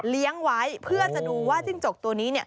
เลี้ยงไว้เพื่อจะดูว่าจิ้งจกตัวนี้เนี่ย